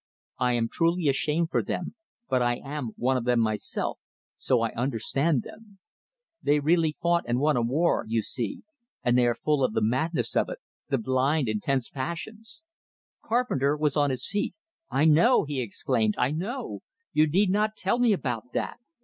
I am truly ashamed for them, but I am one of them myself, so I understand them. They really fought and won a war, you see, and they are full of the madness of it, the blind, intense passions " Carpenter was on his feet. "I know!" he exclaimed. "I know! You need not tell me about that!